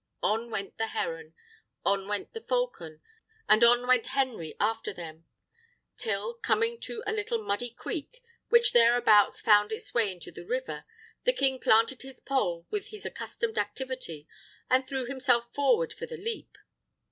On went the heron, on went the falcon, and on went Henry after them; till, coming to a little muddy creek, which thereabouts found its way into the river, the king planted his pole with his accustomed activity, and threw himself forward for the leap.